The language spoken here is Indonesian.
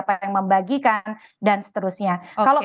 punya pewala dari masyarakat